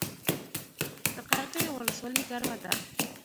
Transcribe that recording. د قرغیو ولسوالۍ ګرمه ده